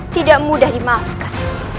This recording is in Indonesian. tidak mudah dimaafkan